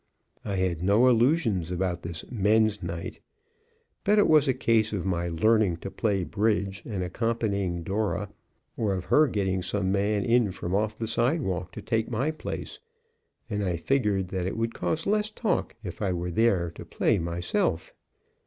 I had no illusions about this "Men's Night," but it was a case of my learning to play bridge and accompanying Dora, or of her getting some man in from off the sidewalk to take my place, and I figured that it would cause less talk if I were there to play myself.